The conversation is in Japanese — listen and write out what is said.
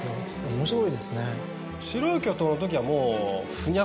面白いですね。